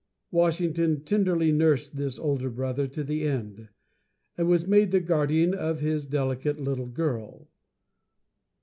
Washington tenderly nursed this older brother to the end, and was made the guardian of his delicate little girl.